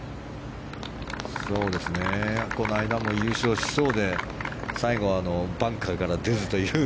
この間も優勝しそうで最後はバンカーから出ずという。